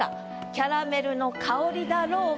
キャラメルの香りだろうか。